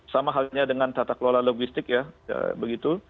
sama halnya dengan tata kelola logistik ya begitu